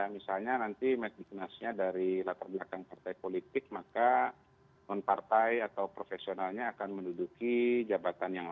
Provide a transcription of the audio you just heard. misalnya nanti magginasnya dari latar belakang partai politik maka non partai atau profesionalnya akan menduduki jabatan yang lain